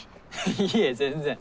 いえ全然。